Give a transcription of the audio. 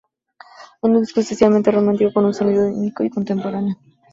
Es un disco esencialmente romántico con un sonido único y contemporáneo.